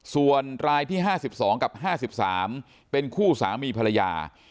ส่วนรายที่๕๒กับ๕๓เป็นคู่สามีภรรยา